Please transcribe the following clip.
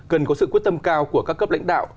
cần có sự quyết tâm cao của các cấp lãnh đạo